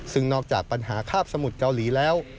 ซึ่งนอกจากปัญหาคาบสมุทรเกาหลีแล้ว